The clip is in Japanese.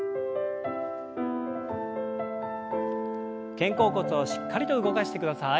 肩甲骨をしっかりと動かしてください。